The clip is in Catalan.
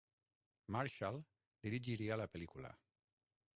Marshall dirigiria la pel·lícula.